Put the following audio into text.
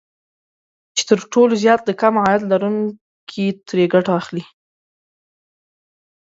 چې تر ټولو زيات د کم عاید لرونکي ترې ګټه اخلي